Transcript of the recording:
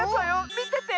みてて！